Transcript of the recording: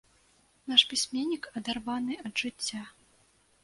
Наш пісьменнік адарваны ад жыцця.